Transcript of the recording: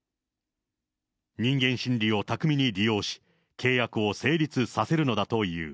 人間心理を巧みに利用し、契約を成立させるのだという。